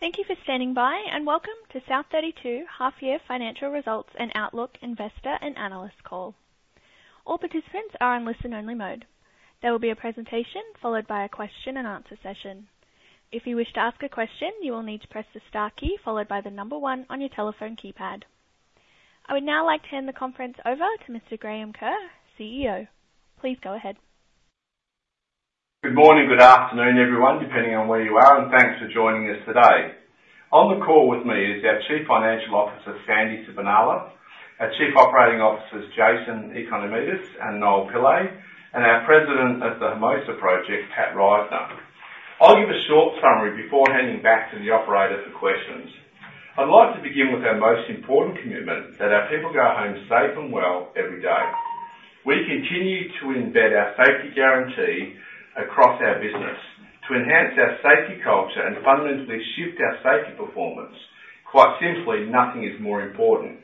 Thank you for standing by, and welcome to South32 Half-Year Financial Results and Outlook Investor and Analyst Call. All participants are in listen-only mode. There will be a presentation followed by a question and answer session. If you wish to ask a question, you will need to press the star key followed by the number one on your telephone keypad. I would now like to hand the conference over to Mr. Graham Kerr, CEO. Please go ahead. Good morning, good afternoon, everyone, depending on where you are, and thanks for joining us today. On the call with me is our Chief Financial Officer, Sandy Sibenaler, our Chief Operating Officers, Jason Economidis and Noel Pillay, and our President at the Hermosa project, Pat Risner. I'll give a short summary before handing back to the operator for questions. I'd like to begin with our most important commitment, that our people go home safe and well every day. We continue to embed our safety guarantee across our business to enhance our safety culture and fundamentally shift our safety performance. Quite simply, nothing is more important.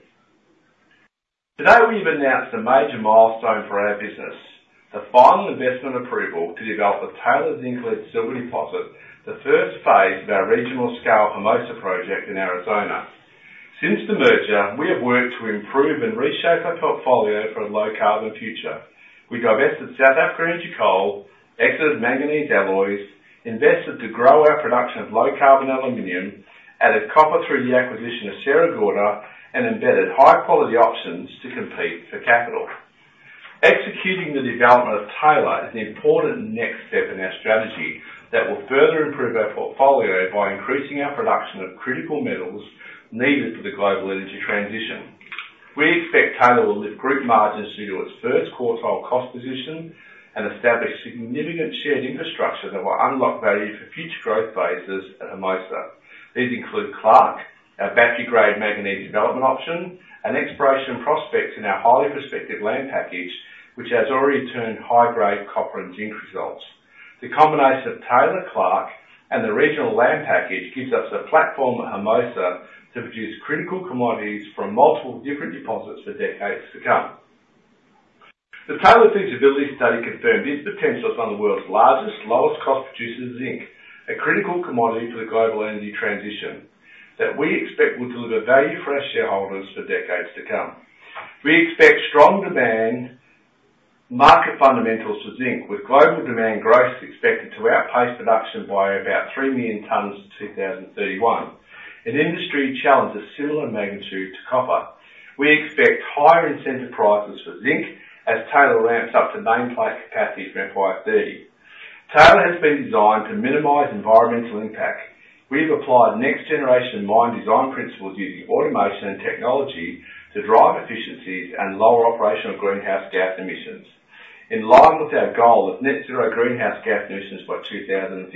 Today, we've announced a major milestone for our business, the final investment approval to develop a Taylor zinc-lead-silver deposit, the first phase of our regional-scale Hermosa project in Arizona. Since the merger, we have worked to improve and reshape our portfolio for a low-carbon future. We divested South Africa Energy Coal, exited Manganese Alloys, invested to grow our production of low-carbon aluminum, added copper through the acquisition of Sierra Gorda, and embedded high-quality options to compete for capital. Executing the development of Taylor is an important next step in our strategy that will further improve our portfolio by increasing our production of critical metals needed for the global energy transition. We expect Taylor will lift group margins due to its first quartile cost position and establish significant shared infrastructure that will unlock value for future growth phases at Hermosa. These include Clark, our battery-grade manganese development option, and exploration prospects in our highly prospective land package, which has already returned high-grade copper and zinc results. The combination of Taylor, Clark, and the regional land package gives us a platform at Hermosa to produce critical commodities from multiple different deposits for decades to come. The Taylor feasibility study confirmed its potential as one of the world's largest, lowest-cost producer of zinc, a critical commodity for the global energy transition that we expect will deliver value for our shareholders for decades to come. We expect strong demand, market fundamentals for zinc, with global demand growth expected to outpace production by about 3 million tonnes in 2031, an industry challenge of similar magnitude to copper. We expect higher incentive prices for zinc as Taylor ramps up to nameplate capacity for FY 2030. Taylor has been designed to minimize environmental impact. We have applied next-generation mine design principles using automation and technology to drive efficiencies and lower operational greenhouse gas emissions, in line with our goal of net zero greenhouse gas emissions by 2050.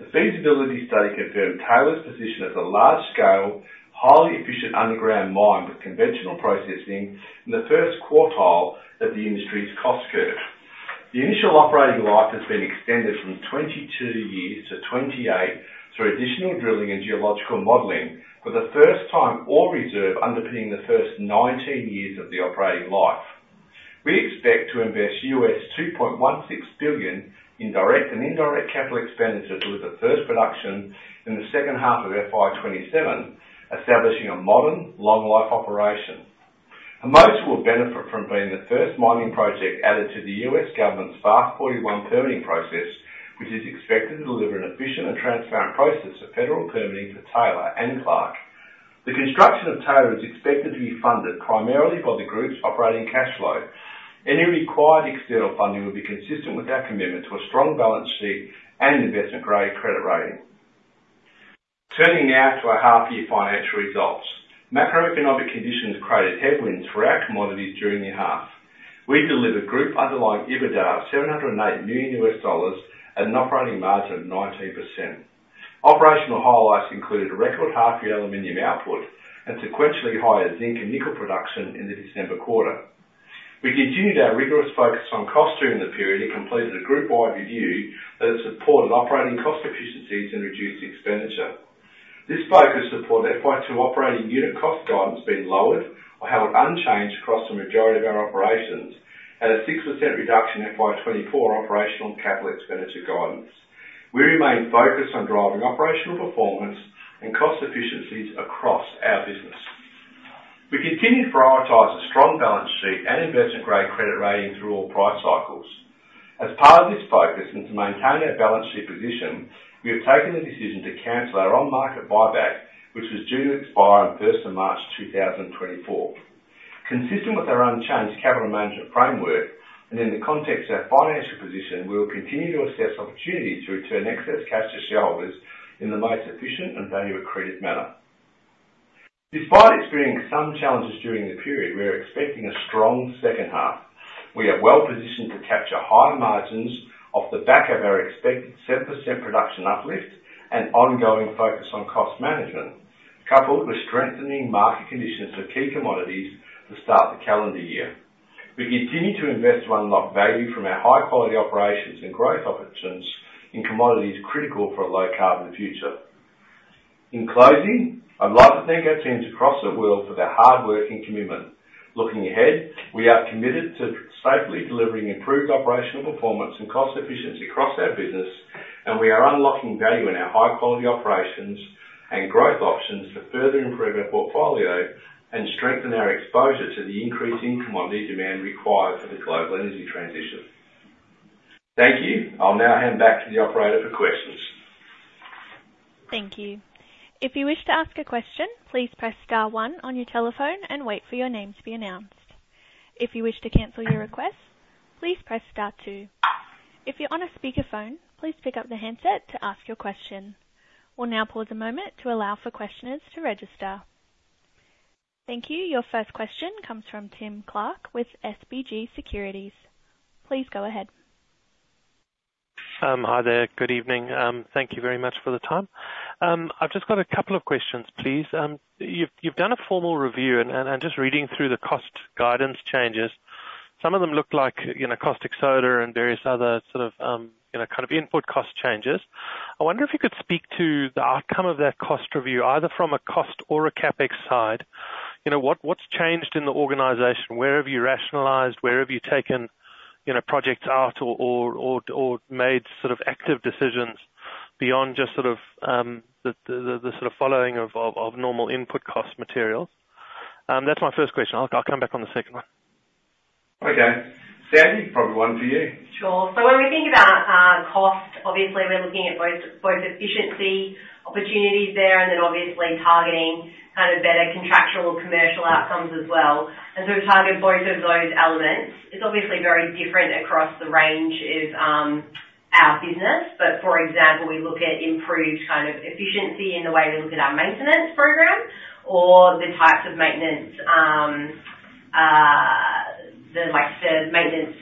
The feasibility study confirmed Taylor's position as a large-scale, highly efficient underground mine with conventional processing in the first quartile of the industry's cost curve. The initial operating life has been extended from 22 years to 28 through additional drilling and geological modeling. For the first time, all reserves underpinning the first 19 years of the operating life. We expect to invest $2.16 billion in direct and indirect capital expenditures, with the first production in the second half of FY 2027, establishing a modern, long-life operation. Hermosa will benefit from being the first mining project added to the U.S. government's FAST-41 permitting process, which is expected to deliver an efficient and transparent process of federal permitting for Taylor and Clark. The construction of Taylor is expected to be funded primarily by the group's operating cash flow. Any required external funding will be consistent with our commitment to a strong balance sheet and investment-grade credit rating. Turning now to our half-year financial results. Macroeconomic conditions created headwinds for our commodities during the half. We delivered group underlying EBITDA of $708 million and an operating margin of 19%. Operational highlights included a record half-year aluminum output and sequentially higher zinc and nickel production in the December quarter. We continued our rigorous focus on costs during the period and completed a group-wide review that has supported operating cost efficiencies and reduced expenditure. This focus supported FY 2022 operating unit cost guidance being lowered or held unchanged across the majority of our operations, and a 6% reduction in FY 2024 operational capital expenditure guidance. We remain focused on driving operational performance and cost efficiencies across our business. We continue to prioritize a strong balance sheet and investment-grade credit rating through all price cycles. As part of this focus and to maintain our balance sheet position, we have taken the decision to cancel our on-market buyback, which was due to expire on 1st March 2024. Consistent with our unchanged capital management framework and in the context of our financial position, we will continue to assess opportunities to return excess cash to shareholders in the most efficient and value-accretive manner. Despite experiencing some challenges during the period, we are expecting a strong second half. We are well-positioned to capture higher margins off the back of our expected 7% production uplift and ongoing focus on cost management, coupled with strengthening market conditions for key commodities to start the calendar year. We continue to invest to unlock value from our high-quality operations and growth opportunities in commodities, critical for a low-carbon future... In closing, I'd like to thank our teams across the world for their hard work and commitment. Looking ahead, we are committed to safely delivering improved operational performance and cost efficiency across our business, and we are unlocking value in our high-quality operations and growth options to further improve our portfolio and strengthen our exposure to the increased commodity demand required for the global energy transition. Thank you. I'll now hand back to the operator for questions. Thank you. If you wish to ask a question, please press star one on your telephone and wait for your name to be announced. If you wish to cancel your request, please press star two. If you're on a speakerphone, please pick up the handset to ask your question. We'll now pause a moment to allow for questioners to register. Thank you. Your first question comes from Tim Clark with SBG Securities. Please go ahead. Hi there. Good evening. Thank you very much for the time. I've just got a couple of questions, please. You've done a formal review and I'm just reading through the cost guidance changes. Some of them look like, you know, caustic soda and various other sort of, you know, kind of input cost changes. I wonder if you could speak to the outcome of that cost review, either from a cost or a CapEx side. You know, what's changed in the organization? Where have you rationalized, where have you taken, you know, projects out or made sort of active decisions beyond just sort of the sort of following of normal input cost materials? That's my first question. I'll come back on the second one. Okay. Sandy, probably one for you. Sure. So when we think about cost, obviously we're looking at both, both efficiency opportunities there and then obviously targeting kind of better contractual commercial outcomes as well. And so we've targeted both of those elements. It's obviously very different across the range of our business. But for example, we look at improved kind of efficiency in the way we look at our maintenance program or the types of maintenance, the, like, the maintenance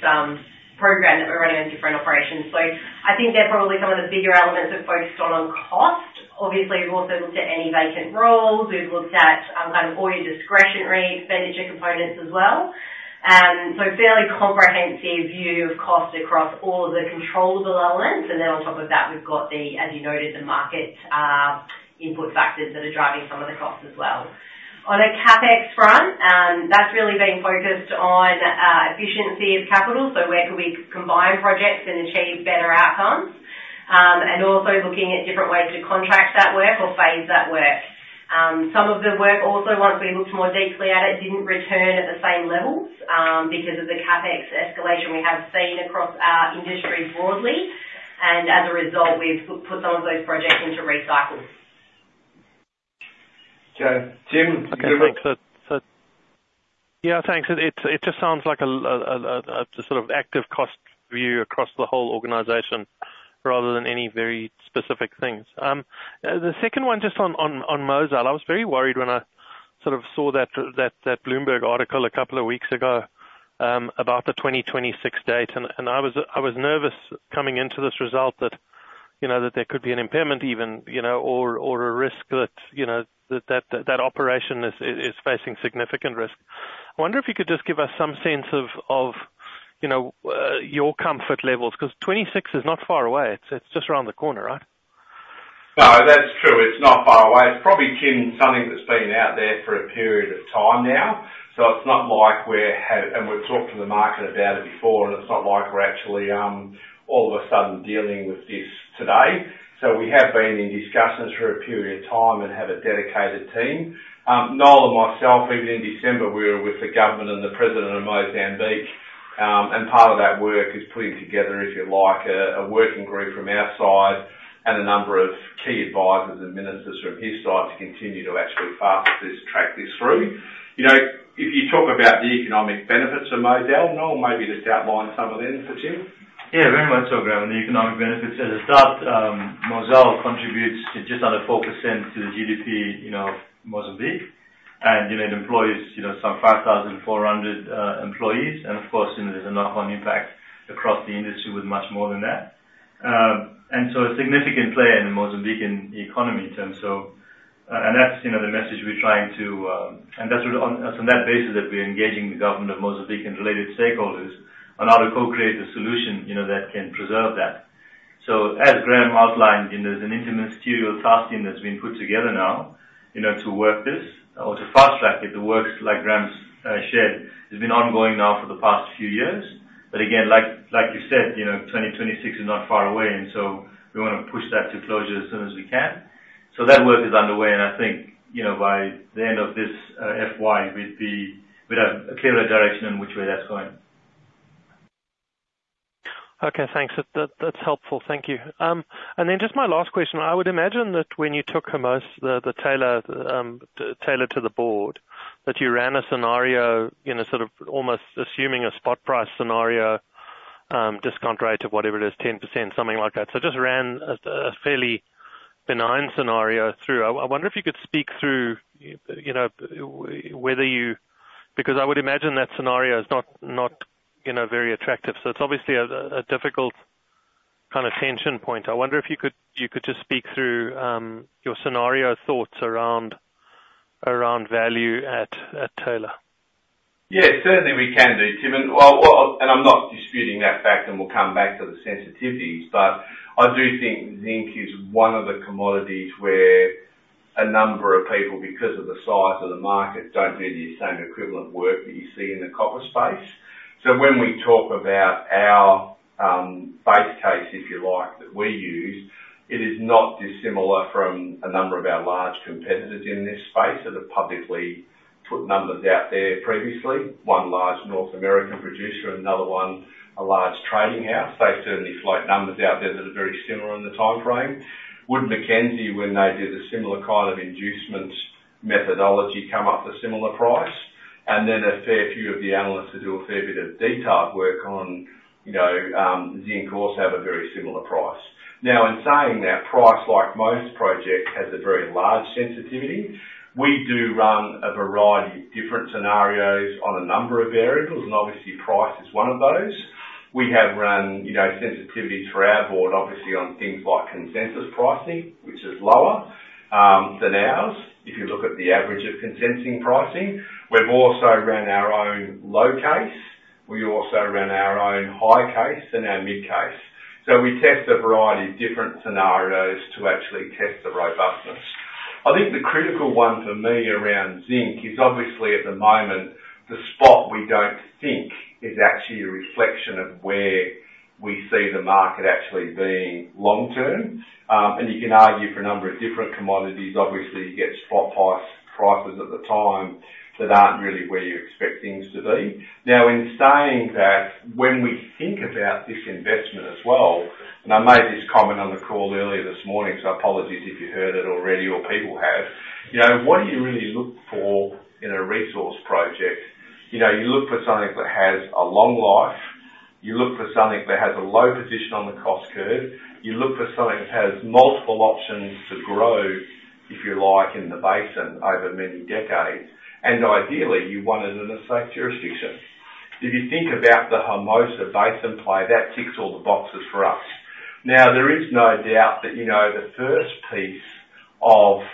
program that we're running in different operations. So I think they're probably some of the bigger elements we've focused on, on cost. Obviously, we've also looked at any vacant roles. We've looked at kind of all your discretionary expenditure components as well. So fairly comprehensive view of cost across all the controllable elements. And then on top of that, we've got the, as you noted, the market input factors that are driving some of the costs as well. On a CapEx front, that's really been focused on efficiency of capital, so where can we combine projects and achieve better outcomes? And also looking at different ways to contract that work or phase that work. Some of the work also, once we looked more deeply at it, didn't return at the same levels, because of the CapEx escalation we have seen across our industry broadly, and as a result, we've put some of those projects into recycle. So, Tim. Okay, thanks. So, yeah, thanks. It just sounds like a sort of active cost view across the whole organization rather than any very specific things. The second one, just on Mozal. I was very worried when I sort of saw that Bloomberg article a couple of weeks ago, about the 2026 date. And I was nervous coming into this result that, you know, there could be an impairment even, you know, or a risk that, you know, that operation is facing significant risk. I wonder if you could just give us some sense of, you know, your comfort levels, because 2026 is not far away. It's just around the corner, right? No, that's true. It's not far away. It's probably, Tim, something that's been out there for a period of time now. So it's not like we're and we've talked to the market about it before, and it's not like we're actually all of a sudden dealing with this today. So we have been in discussions for a period of time and have a dedicated team. Noel and myself, even in December, we were with the government and the president of Mozambique, and part of that work is putting together, if you like, a working group from our side and a number of key advisors and ministers from his side to continue to actually fast-track this through. You know, if you talk about the economic benefits of Mozal, Noel, maybe just outline some of them for Tim. Yeah, very much so, Graham. The economic benefits, as a start, Mozal contributes just under 4% to the GDP, you know, Mozambique, and, you know, it employs, you know, some 5,400 employees. And of course, you know, there's a knock-on impact across the industry with much more than that. And so a significant player in the Mozambican economy in terms of... And that's, you know, the message we're trying to, and that's on, on that basis that we're engaging the government of Mozambique and related stakeholders on how to co-create a solution, you know, that can preserve that. So as Graham outlined, you know, there's an interministerial task team that's been put together now, you know, to work this or to fast-track it. The work, like Graham's, shared, has been ongoing now for the past few years. But again, like you said, you know, 2026 is not far away, and so we wanna push that to closure as soon as we can. So that work is underway, and I think, you know, by the end of this FY, we'd have a clearer direction in which way that's going. Okay, thanks. That, that's helpful. Thank you. And then just my last question: I would imagine that when you took Hermosa, the Taylor to the board, that you ran a scenario, you know, sort of almost assuming a spot price scenario, discount rate of whatever it is, 10%, something like that. So just ran a fairly benign scenario through. I wonder if you could speak through, you know, whether you... Because I would imagine that scenario is not, you know, very attractive. So it's obviously a difficult kind of tension point. I wonder if you could just speak through your scenario thoughts around value at Taylor. Yeah, certainly we can do, Tim, and well, well, and I'm not disputing that fact, and we'll come back to the sensitivities, but I do think zinc is one of the commodities where a number of people, because of the size of the market, don't do the same equivalent work that you see in the copper space. So when we talk about our base case, if you like, that we use, it is not dissimilar from a number of our large competitors in this space that have publicly put numbers out there previously. One large North American producer and another one, a large trading house. They certainly float numbers out there that are very similar in the timeframe. Wood Mackenzie, when they did a similar kind of inducement methodology, come up with a similar price, and then a fair few of the analysts who do a fair bit of detail work on, you know, zinc, also have a very similar price. Now, in saying that, price, like most projects, has a very large sensitivity. We do run a variety of different scenarios on a number of variables, and obviously, price is one of those. We have run, you know, sensitivity through our board, obviously, on things like consensus pricing, which is lower, than ours. If you look at the average of consensus pricing, we've also ran our own low case. We also ran our own high case and our mid case. So we test a variety of different scenarios to actually test the robustness. I think the critical one for me around zinc is obviously, at the moment, the spot we don't think is actually a reflection of where we see the market actually being long term. And you can argue for a number of different commodities. Obviously, you get spot price, prices at the time that aren't really where you expect things to be. Now, in saying that, when we think about this investment as well, and I made this comment on the call earlier this morning, so apologies if you heard it already or people have. You know, what do you really look for in a resource project? You know, you look for something that has a long life. You look for something that has a low position on the cost curve. You look for something that has multiple options to grow, if you like, in the basin over many decades, and ideally, you want it in a safe jurisdiction. If you think about the Hermosa Basin play, that ticks all the boxes for us. Now, there is no doubt that, you know, the first piece of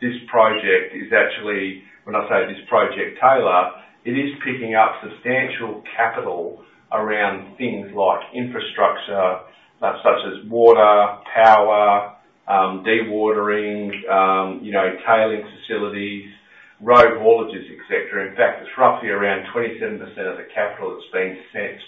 this project is actually, when I say this project, Taylor, it is picking up substantial capital around things like infrastructure, such as water, power, dewatering, you know, tailings facilities, road haulages, et cetera. In fact, it's roughly around 27% of the capital that's been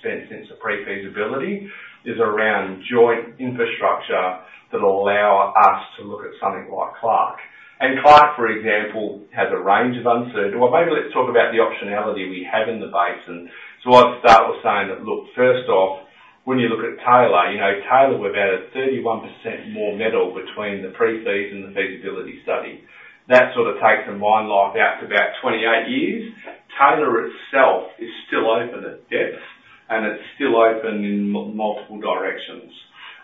spent since the pre-feasibility is around joint infrastructure that allow us to look at something like Clark. And Clark, for example, has a range of uncertainties. Well, maybe let's talk about the optionality we have in the basin. So I'd start with saying that, look, first off, when you look at Taylor, you know, Taylor, we're about at 31% more metal between the pre-feas and the feasibility study. That sort of takes the mine life out to about 28 years. Taylor itself is still open at depth, and it's still open in multiple directions.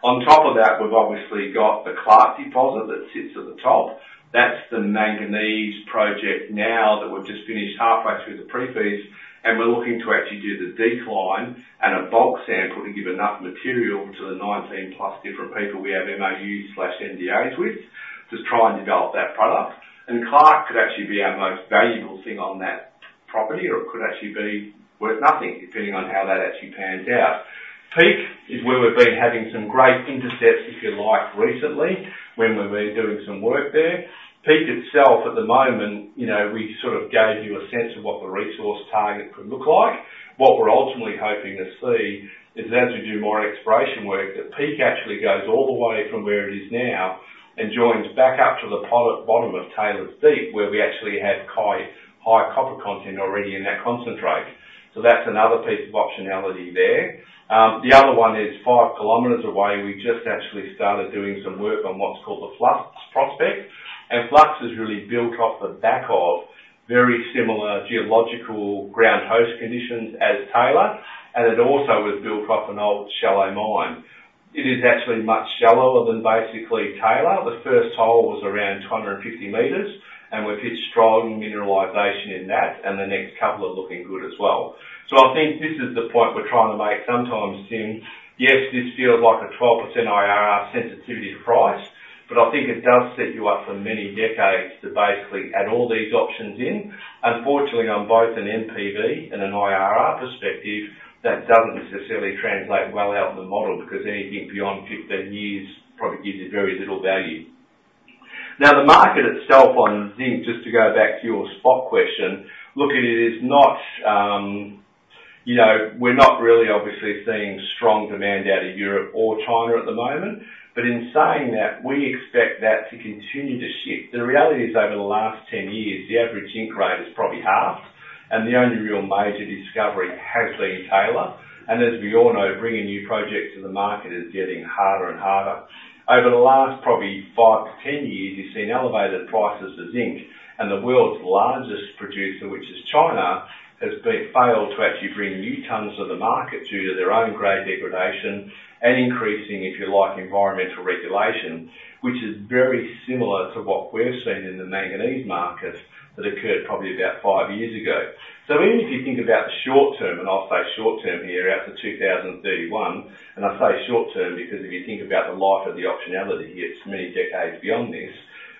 On top of that, we've obviously got the Clark deposit that sits at the top. That's the manganese project now that we've just finished halfway through the pre-feas, and we're looking to actually do the decline and a bulk sample to give enough material to the 19+ different people we have MOUs/NDAs with, to try and develop that product. And Clark could actually be our most valuable thing on that property, or it could actually be worth nothing, depending on how that actually pans out. Peake is where we've been having some great intercepts, if you like, recently, when we were doing some work there. Peake itself, at the moment, you know, we sort of gave you a sense of what the resource target could look like. What we're ultimately hoping to see is as we do more exploration work, that Peake actually goes all the way from where it is now and joins back up to the bottom of Taylor Deep, where we actually had high, high copper content already in that concentrate. So that's another piece of optionality there. The other one is five kilometers away. We just actually started doing some work on what's called the Flux Prospect, and Flux is really built off the back of very similar geological ground host conditions as Taylor, and it also was built off an old shallow mine. It is actually much shallower than basically Taylor. The first hole was around 250 meters, and we've hit strong mineralization in that, and the next couple are looking good as well. So I think this is the point we're trying to make sometimes, Tim. Yes, this feels like a 12% IRR sensitivity price, but I think it does set you up for many decades to basically add all these options in. Unfortunately, on both an NPV and an IRR perspective, that doesn't necessarily translate well out in the model, because anything beyond 15 years probably gives you very little value. Now, the market itself on zinc, just to go back to your spot question, look, it is not, you know, we're not really obviously seeing strong demand out of Europe or China at the moment, but in saying that, we expect that to continue to shift. The reality is, over the last 10 years, the average zinc rate is probably half, and the only real major discovery has been Taylor. And as we all know, bringing new projects to the market is getting harder and harder. Over the last probably five-10 years, you've seen elevated prices of zinc, and the world's largest producer, which is China, has failed to actually bring new tons to the market due to their own grade degradation and increasing, if you like, environmental regulation, which is very similar to what we've seen in the manganese market that occurred probably about five years ago. So even if you think about the short term, and I'll say short term here, out to 2031, and I say short term, because if you think about the life of the optionality, it's many decades beyond this.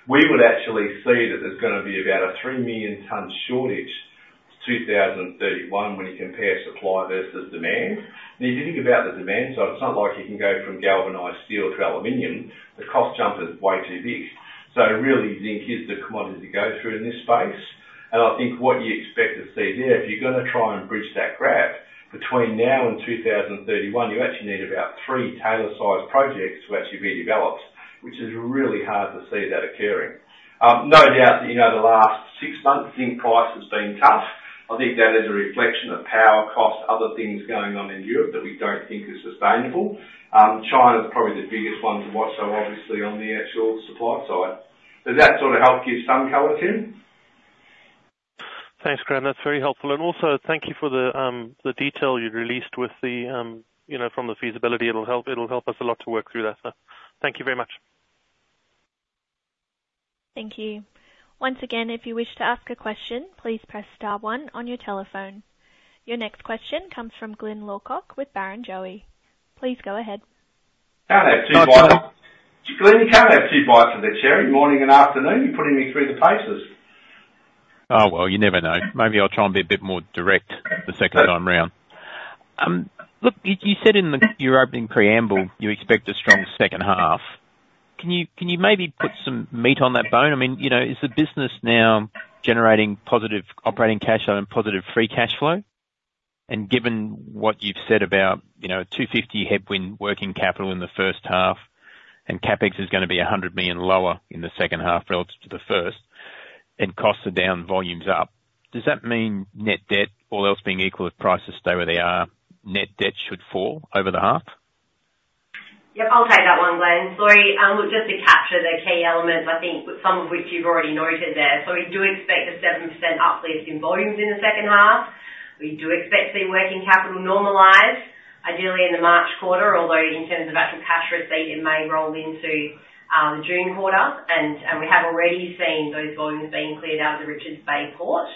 We would actually see that there's gonna be about a three million ton shortage in 2031 when you compare supply versus demand. And if you think about the demand side, it's not like you can go from galvanized steel to aluminum. The cost jump is way too big. So really, zinc is the commodity to go through in this space, and I think what you expect to see there, if you're gonna try and bridge that gap between now and 2031, you actually need about three Taylor-sized projects to actually be developed, which is really hard to see that occurring. No doubt that, you know, the last six months, zinc price has been tough. I think that is a reflection of power costs, other things going on in Europe that we don't think is sustainable. China is probably the biggest one to watch, so obviously on the actual supply side. Does that sort of help give some color, Tim? Thanks, Graham. That's very helpful. And also thank you for the detail you released with the, you know, from the feasibility. It'll help, it'll help us a lot to work through that, so thank you very much. Thank you. Once again, if you wish to ask a question, please press star one on your telephone. Your next question comes from Glyn Lawcock with Barrenjoey. Please go ahead. Can I have two bites? Glyn, you can't have two bites of the cherry, morning and afternoon. You're putting me through the paces. Oh, well, you never know. Maybe I'll try and be a bit more direct the second time around. Look, you said in your opening preamble, you expect a strong second half. Can you maybe put some meat on that bone? I mean, you know, is the business now generating positive operating cash flow and positive free cash flow? And given what you've said about, you know, $250 million headwind working capital in the first half, and CapEx is gonna be $100 million lower in the second half relative to the first, and costs are down, volumes up, does that mean net debt, all else being equal, if prices stay where they are, net debt should fall over the half? Yep, I'll take that one, Glyn. Sorry, just to capture the key elements, I think some of which you've already noted there. So we do expect a 7% uplift in volumes in the second half. We do expect to see working capital normalize, ideally in the March quarter, although in terms of that cash receipt, it may roll into the June quarter. And we have already seen those volumes being cleared out of the Richards Bay Port.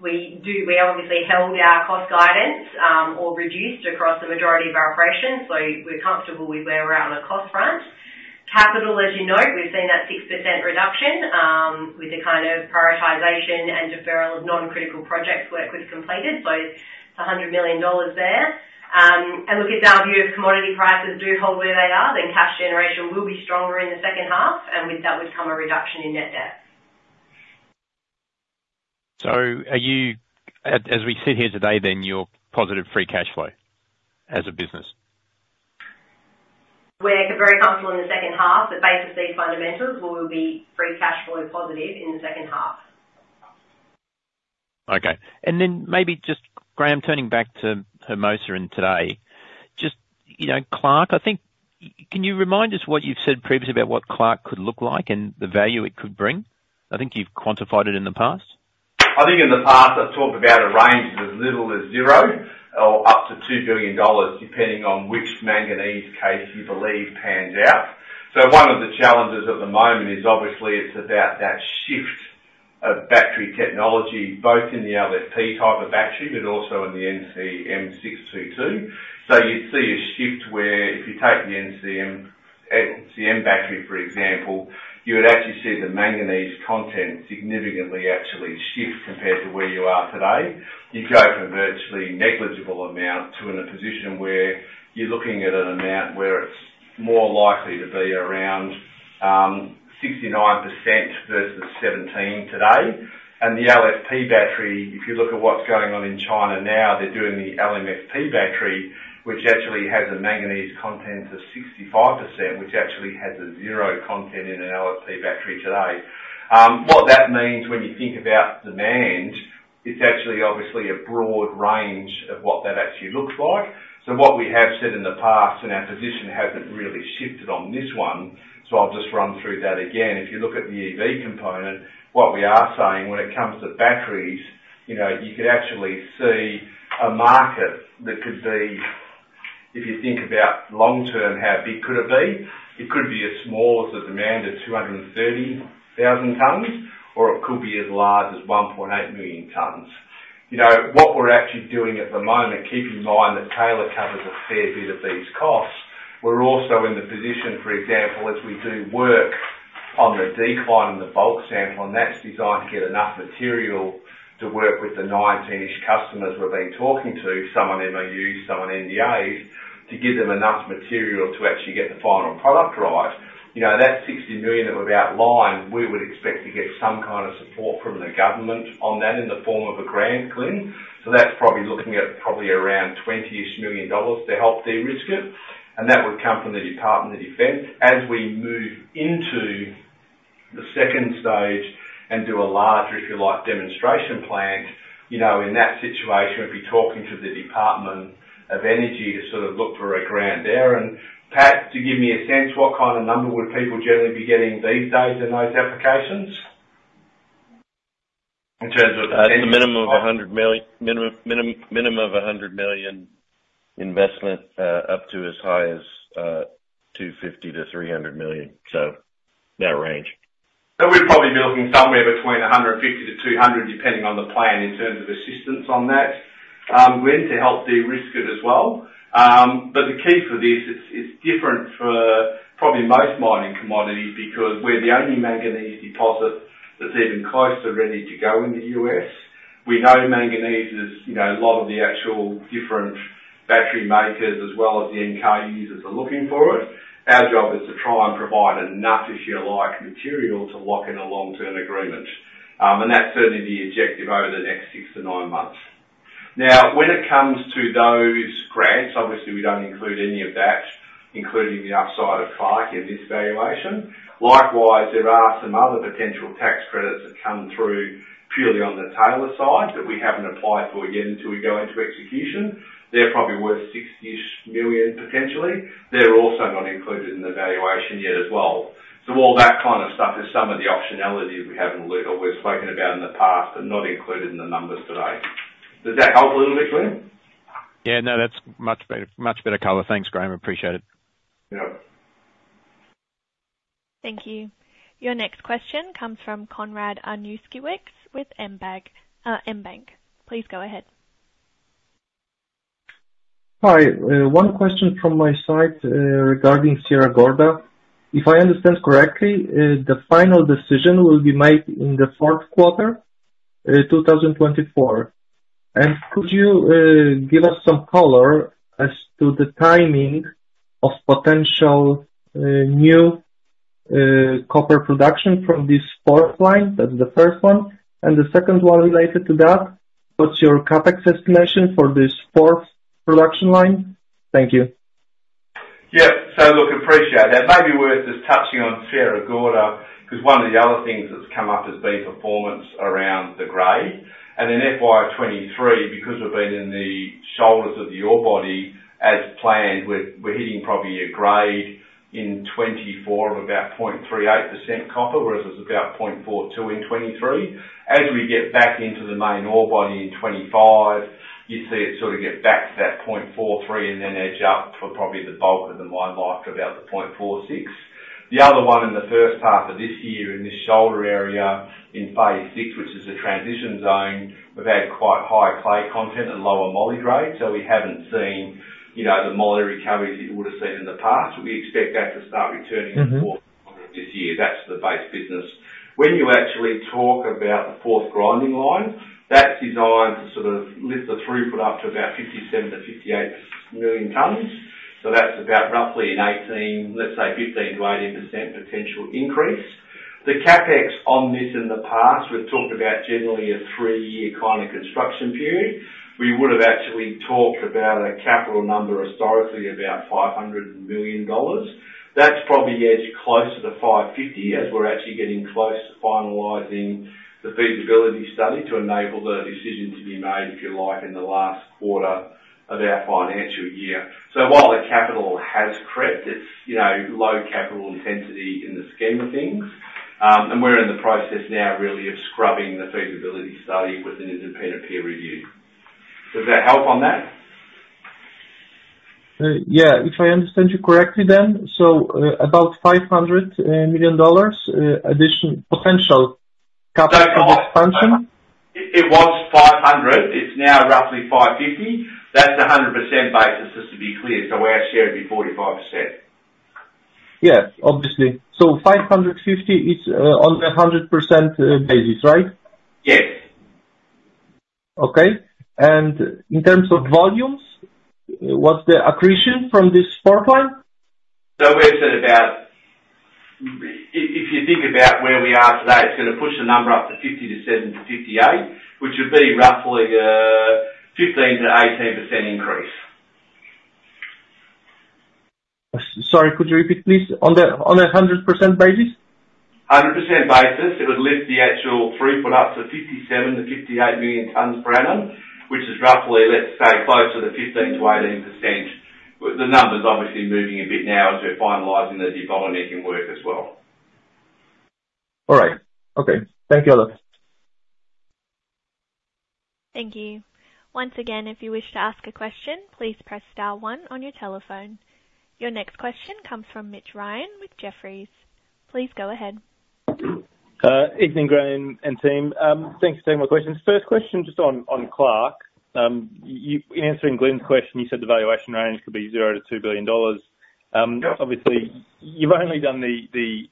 We obviously held our cost guidance or reduced across the majority of our operations, so we're comfortable with where we're at on the cost front. Capital, as you note, we've seen that 6% reduction with the kind of prioritization and deferral of non-critical projects work we've completed, so $100 million there. And look, if our view of commodity prices do hold where they are, then cash generation will be stronger in the second half, and with that would come a reduction in net debt. As we sit here today, then you're positive free cash flow as a business? We're very comfortable in the second half. The base of these fundamentals will be free cash flow positive in the second half. Okay, and then maybe just, Graham, turning back to Hermosa and today, just, you know, Clark, I think, can you remind us what you've said previously about what Clark could look like and the value it could bring? I think you've quantified it in the past. I think in the past, I've talked about a range of as little as $0 or up to $2 billion, depending on which manganese case you believe pans out. So one of the challenges at the moment is obviously it's about that shift of battery technology, both in the LFP type of battery, but also in the NCM 622. So you'd see a shift where if you take the NCM, NCM battery, for example, you would actually see the manganese content significantly actually shift compared to where you are today. You go from a virtually negligible amount to in a position where you're looking at an amount where it's more likely to be around 69% versus 17% today. And the LFP battery, if you look at what's going on in China now, they're doing the LMFP battery, which actually has a manganese content of 65%, which actually has a 0% content in an LFP battery today. What that means when you think about demand, it's actually obviously a broad range of what that actually looks like. So what we have said in the past, and our position hasn't really shifted on this one, so I'll just run through that again. If you look at the EV component, what we are saying when it comes to batteries, you know, you could actually see a market that could be, if you think about long term, how big could it be? It could be as small as a demand of 230,000 tons, or it could be as large as 1.8 million tons. You know, what we're actually doing at the moment, keep in mind that Taylor covers a fair bit of these costs. We're also in the position, for example, as we do work on the decline in the bulk sample, and that's designed to get enough material to work with the 19-ish customers we've been talking to, some of them are used, some are NDAs, to give them enough material to actually get the final product right. You know, that $60 million that we've outlined, we would expect to get some kind of support from the government on that in the form of a grant, Glyn. So that's probably looking at probably around $20-ish million to help de-risk it, and that would come from the Department of Defense. As we move into the second stage and do a larger, if you like, demonstration plant, you know, in that situation, we'd be talking to the Department of Energy to sort of look for a grant there. Pat, to give me a sense, what kind of number would people generally be getting these days in those applications? In terms of. It's a minimum of $100 million investment, up to as high as $250 million-$300 million. So that range. So we'd probably be looking somewhere between 150-200, depending on the plan in terms of assistance on that, when to help de-risk it as well. But the key for this, it's, it's different for probably most mining commodities, because we're the only manganese deposit that's even close to ready to go in the U.S. We know manganese is, you know, a lot of the actual different battery makers as well as the end car users are looking for it. Our job is to try and provide enough, if you like, material to lock in a long-term agreement. And that's certainly the objective over the next six to nine months. Now, when it comes to those grants, obviously we don't include any of that, including the upside of Clark in this valuation. Likewise, there are some other potential tax credits that come through purely on the Taylor side, that we haven't applied for yet until we go into execution. They're probably worth $60-ish million, potentially. They're also not included in the valuation yet as well. So all that kind of stuff is some of the optionality we have in little... We've spoken about in the past and not included in the numbers today. Does that help a little bit, Glyn? Yeah, no, that's much better, much better color. Thanks, Graham. Appreciate it. Yep. Thank you. Your next question comes from Konrad Anuszkiewicz with mBank. Please go ahead. Hi. One question from my side, regarding Sierra Gorda. If I understand correctly, the final decision will be made in the fourth quarter, 2024. Could you give us some color as to the timing of potential new copper production from this fourth line? That's the first one, and the second one related to that, what's your CapEx estimation for this fourth production line? Thank you. Yeah. So look, appreciate that. Maybe worth just touching on Sierra Gorda, because one of the other things that's come up has been performance around the grade. In FY 2023, because we've been in the shoulders of the ore body as planned, we're hitting probably a grade in 2024 of about 0.38% copper, whereas it's about 0.42% in 2023. As we get back into the main ore body in 2025, you see it sort of get back to that 0.43% and then edge up for probably the bulk of the mine life, about the 0.46%. The other one in the first half of this year, in this shoulder area in phase six, which is a transition zone, we've had quite high clay content and lower moly grade, so we haven't seen, you know, the moly recovery you would have seen in the past. We expect that to start returning. Mm-hmm. More this year. That's the base business. When you actually talk about the fourth grinding line, that's designed to sort of lift the throughput up to about 57-58 million tons. So that's about roughly an 18%, let's say, 15%-18% potential increase. The CapEx on this in the past, we've talked about generally a three-year kind of construction period. We would have actually talked about a capital number historically, about $500 million. That's probably edged closer to $550, as we're actually getting close to finalizing the feasibility study to enable the decision to be made, if you like, in the last quarter of our financial year. So while the capital has crept, it's, you know, low capital intensity in the scheme of things. And we're in the process now really of scrubbing the feasibility study with an independent peer review. Does that help on that? Yeah. If I understand you correctly then, so, about $500 million addition, potential CapEx expansion? It was 500, it's now roughly 550. That's a 100% basis, just to be clear, so our share would be 45%. Yeah, obviously. So 550 is on a 100% basis, right? Yes. Okay. And in terms of volumes, what's the accretion from this profile? If you think about where we are today, it's gonna push the number up to 57-58, which would be roughly a 15%-18% increase. Sorry, could you repeat, please? On a 100% basis. 100% basis, it would lift the actual throughput up to 57-58 million tons per annum, which is roughly, let's say, closer to 15%-18%. But the number's obviously moving a bit now as we're finalizing the de-bottlenecking work as well. All right. Okay. Thank you all. Thank you. Once again, if you wish to ask a question, please press star one on your telephone. Your next question comes from Mitch Ryan with Jefferies. Please go ahead. Evening, Graham and team. Thanks for taking my questions. First question, just on Clark. You answering Glyn's question, you said the valuation range could be $0 billion-$2 billion. Yep. Obviously, you've only done the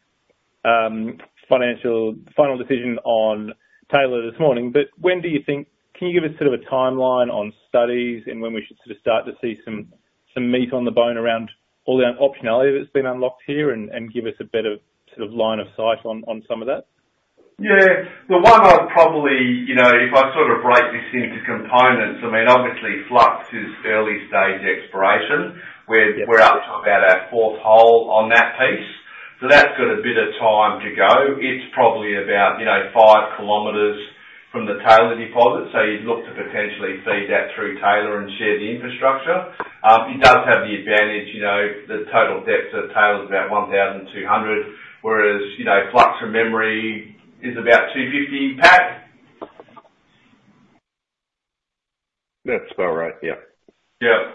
financial final decision on Taylor this morning, but when do you think... Can you give us sort of a timeline on studies and when we should sort of start to see some meat on the bone around all the optionality that's been unlocked here and give us a better sort of line of sight on some of that? Yeah. The one I'd probably, you know, if I sort of break this into components, I mean, obviously, Flux is early stage exploration, where. Yeah. We're up to about our fourth hole on that piece. So that's got a bit of time to go. It's probably about, you know, five kilometers from the Taylor deposit, so you'd look to potentially feed that through Taylor and share the infrastructure. It does have the advantage, you know, the total depth to Taylor is about 1,200, whereas, you know, Flux, from memory, is about 250, Pat? That's about right, yeah. Yeah.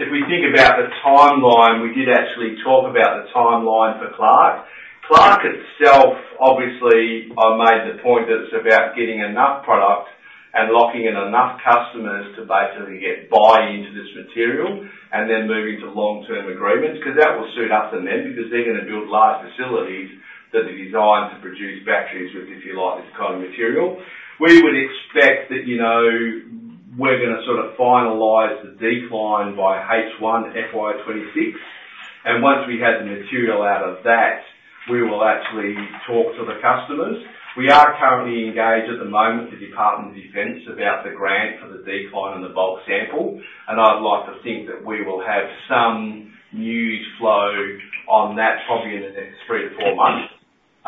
If we think about the timeline, we did actually talk about the timeline for Clark. Clark itself, obviously, I made the point that it's about getting enough product and locking in enough customers to basically get buy-in to this material, and then moving to long-term agreements, because that will suit us and them, because they're gonna build large facilities that are designed to produce batteries with, if you like, this kind of material. We would expect that, you know, we're gonna sort of finalize the decline by H1 FY 2026, and once we have the material out of that, we will actually talk to the customers. We are currently engaged at the moment, the Department of Defense, about the grant for the decline and the bulk sample, and I'd like to think that we will have some news flow on that, probably in the next three to four months.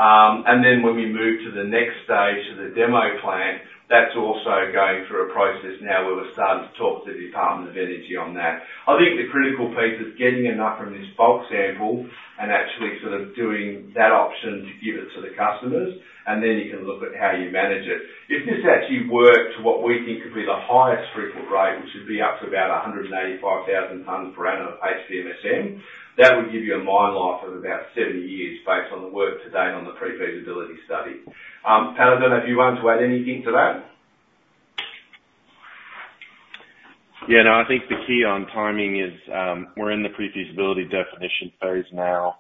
And then when we move to the next stage, to the demo plan, that's also going through a process now, where we're starting to talk to the Department of Energy on that. I think the critical piece is getting enough from this bulk sample and actually sort of doing that option to give it to the customers, and then you can look at how you manage it. If this actually works, what we think could be the highest throughput rate, which would be up to about 185,000 tons per annum of HPMSM, that would give you a mine life of about seven years based on the work to date on the pre-feasibility study. Tyler, I don't know if you want to add anything to that? Yeah, no, I think the key on timing is, we're in the pre-feasibility definition phase now,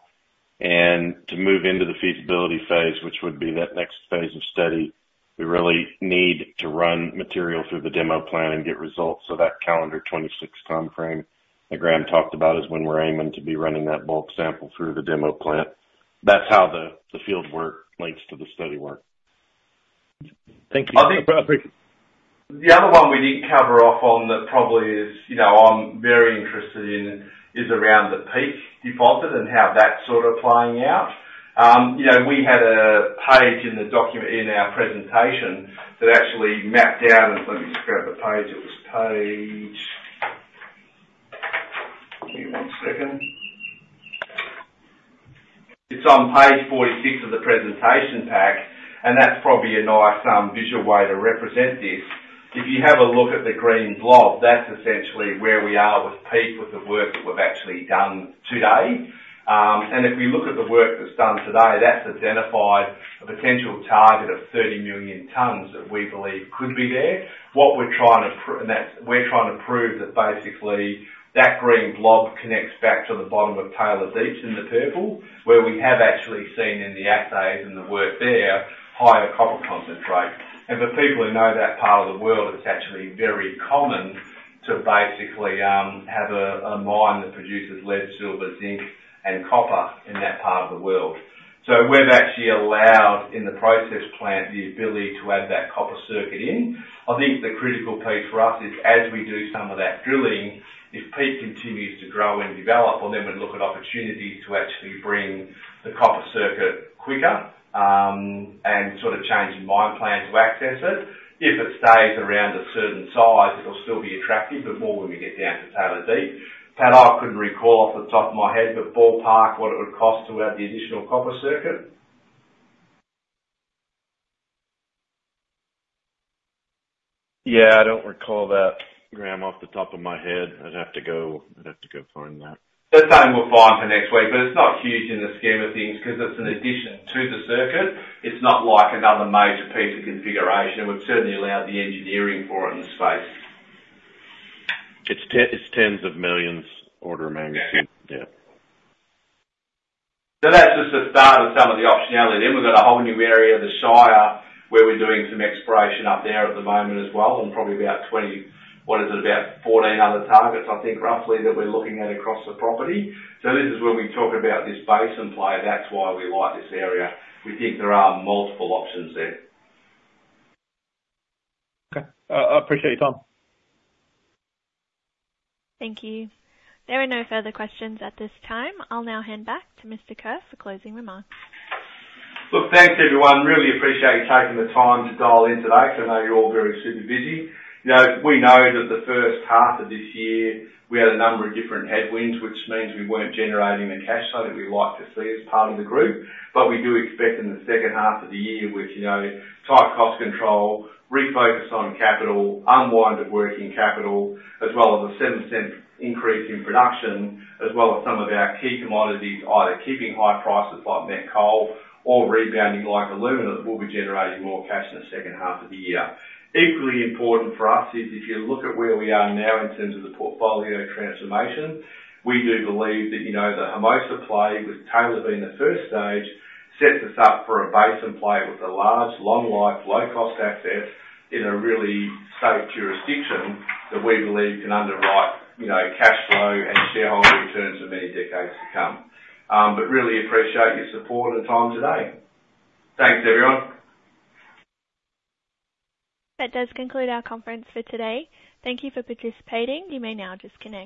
and to move into the feasibility phase, which would be that next phase of study, we really need to run material through the demo plan and get results. So that calendar 2026 timeframe that Graham talked about is when we're aiming to be running that bulk sample through the demo plant. That's how the field work links to the study work. Thank you. I think, the other one we didn't cover off on that probably is, you know, I'm very interested in, is around the Peak deposit and how that's sort of playing out. You know, we had a page in the document- in our presentation that actually mapped out. Let me just grab the page. It was page... Give me one second. It's on page 46 of the presentation pack, and that's probably a nice, visual way to represent this. If you have a look at the green blob, that's essentially where we are with Peak, with the work that we've actually done to date. And if we look at the work that's done today, that's identified a potential target of 30 million tons that we believe could be there. What we're trying to—and that's, we're trying to prove that basically that green blob connects back to the bottom of Taylor Deep in the purple, where we have actually seen in the assays and the work there, higher copper concentrate. And for people who know that part of the world, it's actually very common to basically have a mine that produces lead, silver, zinc, and copper in that part of the world. So we've actually allowed, in the process plant, the ability to add that copper circuit in. I think the critical piece for us is, as we do some of that drilling, if Peak continues to grow and develop, we'll then look at opportunities to actually bring the copper circuit quicker, and sort of change the mine plan to access it. If it stays around a certain size, it'll still be attractive, but more when we get down to Taylor Deep. Tyler, I couldn't recall off the top of my head, but ballpark what it would cost to add the additional copper circuit? Yeah, I don't recall that, Graham, off the top of my head. I'd have to go, I'd have to go find that. The same we'll find for next week, but it's not huge in the scheme of things because it's an addition to the circuit. It's not like another major piece of configuration. We've certainly allowed the engineering for it in the space. It's tens of millions order of magnitude. Yeah. Yeah. So that's just the start of some of the optionality. Then we've got a whole new area, the Shire, where we're doing some exploration up there at the moment as well, and probably about 20... What is it? About 14 other targets, I think, roughly, that we're looking at across the property. So this is where we talk about this basin play. That's why we like this area. We think there are multiple options there. Okay. I appreciate your time. Thank you. There are no further questions at this time. I'll now hand back to Mr. Kerr for closing remarks. Look, thanks, everyone. Really appreciate you taking the time to dial in today, because I know you're all very super busy. You know, we know that the first half of this year, we had a number of different headwinds, which means we weren't generating the cash flow that we like to see as part of the group. But we do expect in the second half of the year, with, you know, tight cost control, refocus on capital, unwinding of working capital, as well as a 7% increase in production, as well as some of our key commodities, either keeping high prices like met coal or rebounding like aluminum, we'll be generating more cash in the second half of the year. Equally important for us is, if you look at where we are now in terms of the portfolio transformation, we do believe that, you know, the Hermosa play, with Taylor being the first stage, sets us up for a basin play with a large, long-life, low-cost asset in a really safe jurisdiction that we believe can underwrite, you know, cash flow and shareholder returns for many decades to come. But really appreciate your support and time today. Thanks, everyone. That does conclude our conference for today. Thank you for participating. You may now disconnect.